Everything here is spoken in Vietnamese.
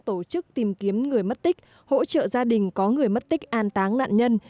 tổ chức tìm kiếm người mất tích hỗ trợ gia đình có người mất tích an táng nạn nhân